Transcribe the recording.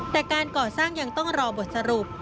แต่การก่อสร้างยังต้องรอบทสรุป